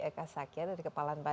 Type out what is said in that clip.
ekspedisi indonesia prima